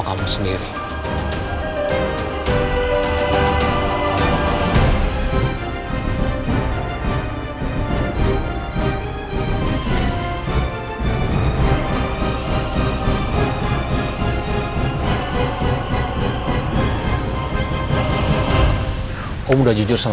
kamu kesini sekarang